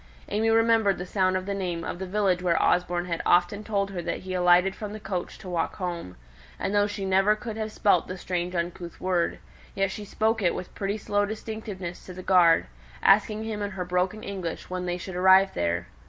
AimÄe remembered the sound of the name of the village where Osborne had often told her that he alighted from the coach to walk home; and though she could never have spelt the strange uncouth word, yet she spoke it with pretty slow distinctness to the guard, asking him in her broken English when they should arrive there?